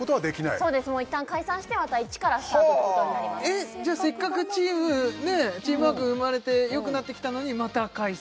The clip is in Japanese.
そうですもう一旦解散してまた１からスタートということになりますじゃあせっかくチームねチームワーク生まれて良くなってきたのにまた解散？